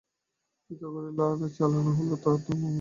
ভিক্ষা করে চাল আনা হল তো নুন নেই।